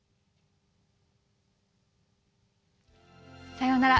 さようなら。